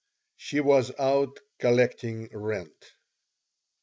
She was out collecting rent.